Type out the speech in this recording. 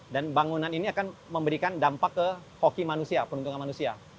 dan bangunan ini akan memberikan dampak ke hoki manusia penuntungan manusia